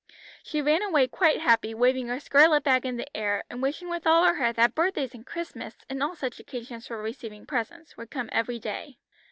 She ran away quite happy, waving her scarlet bag in the air, and wishing with all her heart that birthdays and Christmas, and all such occasions for receiving presents, would come every day.